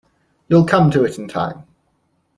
You’ll come to it in time.